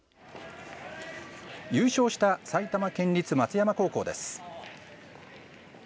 優勝した埼玉県立松山高校です。